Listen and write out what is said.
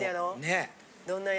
ねえ。